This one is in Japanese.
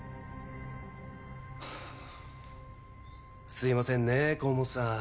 すいませんね河本さん。